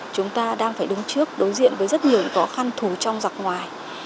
chúng ta đang phải đứng trước đối diện với rất nhiều khó khăn thủ trong dọc ngoài